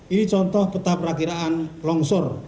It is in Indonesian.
ini contoh petah perakhiran longsor